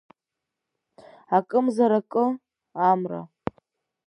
Акымзаракы, Амра…